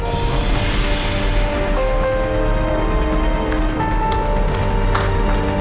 kenapa harus ada yang ingin melakukannya